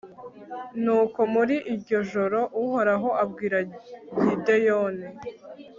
nuko muri iryo joro uhoraho abwira gideyoni